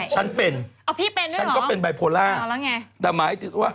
ฉันเป็นฉันก็เป็นไบโพล่าแต่หมายถึงว่าอ๋อพี่เป็นด้วยเหรออ๋อแล้วไง